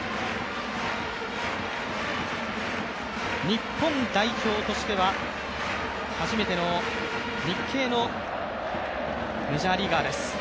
日本代表としては初めての日系のメジャーリーガーです。